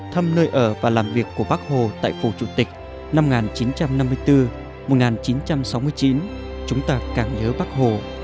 thăm nơi ở và làm việc của bác hồ tại phủ chủ tịch năm một nghìn chín trăm năm mươi bốn một nghìn chín trăm sáu mươi chín chúng ta càng nhớ bắc hồ